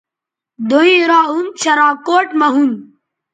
دوئیں را ھُم شراکوٹ مہ ھُون